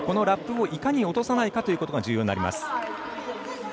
ラップをいかに落とさないかということが重要になります。